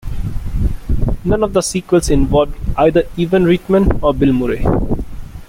None of the sequels involved either Ivan Reitman or Bill Murray.